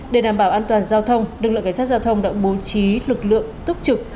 để đảm bảo an toàn giao thông lực lượng cảnh sát giao thông đã bố trí lực lượng tốc trực